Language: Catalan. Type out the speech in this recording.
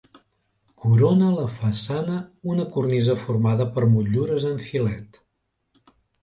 Corona la façana una cornisa formada per motllures en filet.